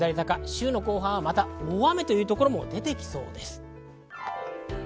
週の後半はまた大雨というところも出てきそうです。